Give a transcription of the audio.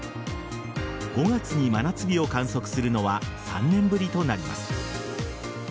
５月に真夏日を観測するのは３年ぶりとなります。